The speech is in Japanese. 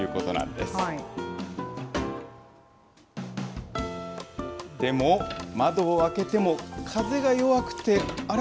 でも、窓を開けても、風が弱くて、あれ？